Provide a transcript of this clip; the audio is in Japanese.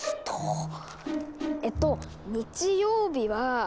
えっと日曜日は。